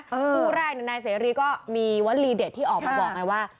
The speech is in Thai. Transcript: สู้แรกในนายเสรีก็มีวันลีเดชที่ออกมาบอกใหม่ว่า